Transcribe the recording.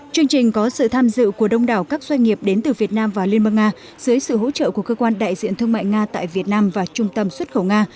chương trình có sự tham dự của đông đảo các doanh nghiệp đến từ việt nam và liên bang nga dưới sự hỗ trợ của cơ quan đại diện thương mại nga tại việt nam và trung tâm xuất khẩu nga